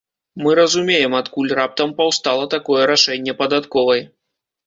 Мы разумеем, адкуль раптам паўстала такое рашэнне падатковай.